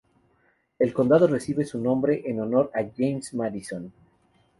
El condado recibe su nombre en honor a James Madison.